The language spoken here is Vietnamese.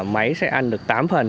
máy sẽ ăn được tám phần